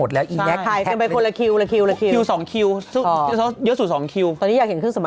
เสีย